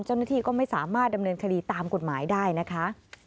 เจ้าหน้าที่ก็ไม่สามารถดำเนินคดีตามกฎหมายได้นะคะ